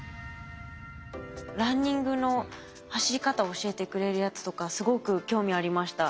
ランニングの走り方を教えてくれるやつとかすごく興味ありました。